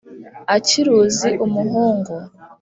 Akiruzi umuhungu